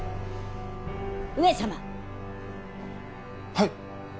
はい！